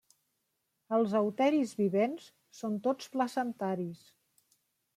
Els euteris vivents són tots placentaris.